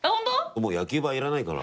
もう野球盤いらないかな。